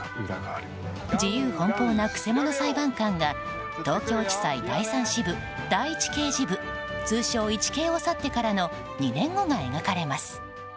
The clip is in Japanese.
自由奔放な、くせ者裁判官が東京地裁第３支部第１刑事部通称イチケイを去ってからの２年後が描かれます。